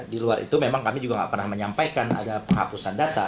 di luar itu memang kami juga tidak pernah menyampaikan ada penghapusan data